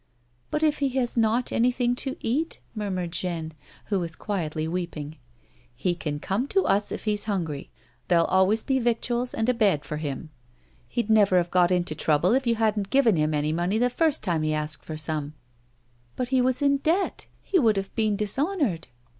" But if he has not anything to eat 1 " murmured Jeanne; who was quietly weeping. " He can corae to us if he's hungry ; there'll always be victuals and a bed for him. He'd never have u(jt into A WOMAN'S LIFE. 217 trouble if you hadn't given him any money the first time he asked for some." " Bat he was in debt, he would have been dishonoured."